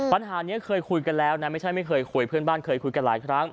ปัญหานี้เคยคุยกันแล้วนะไม่ใช่ไม่เคยคุยเพื่อนบ้านเคยคุยกันหลายครั้ง